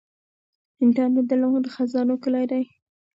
انټرنیټ د علم د خزانو کلي ده.